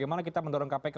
untuk mendorong kpk